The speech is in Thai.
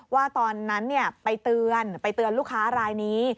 ว่าตอนนั้นไปเตือนลูกค้ารายนี้